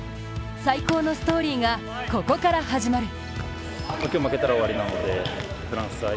最高のストーリーが、ここから始まる。